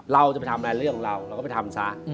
เราจะไปทำอะไรเรื่องของเราเราก็ไปทำซะ